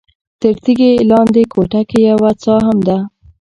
تر تیږې لاندې کوټه کې یوه څاه هم ده.